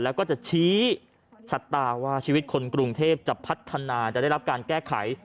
แล้วก็จะชี้ชะตาว่าชีวิตคนกรุงเทพจะพัฒนาจะได้รับการแก้ไข